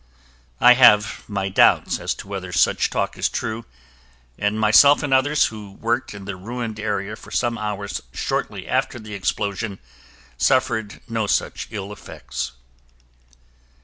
I have my doubts as to whether such talk is true and myself and others who worked in the ruined area for some hours shortly after the explosion suffered no such ill effects.